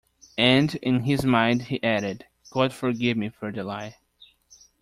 And in his mind he added: "God forgive me for the lie."